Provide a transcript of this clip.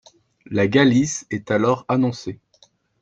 La Galice est alors annoncée.